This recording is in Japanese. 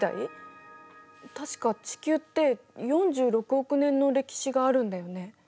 確か地球って４６億年の歴史があるんだよね。